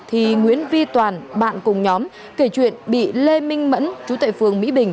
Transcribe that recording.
thì nguyễn vi toàn bạn cùng nhóm kể chuyện bị lê minh mẫn chú tại phường mỹ bình